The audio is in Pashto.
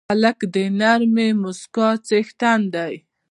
هلک د نرمې موسکا څښتن دی.